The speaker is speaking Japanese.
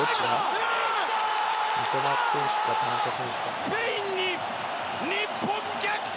スペインに日本逆転！